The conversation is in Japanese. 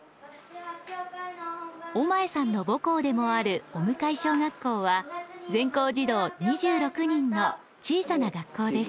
尾前さんの母校でもある尾向小学校は全校児童２６人の小さな学校です。